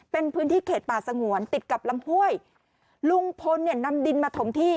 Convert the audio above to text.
เป็นพื้นที่เขตป่าสงวนติดกับลำห้วยลุงพลเนี่ยนำดินมาถมที่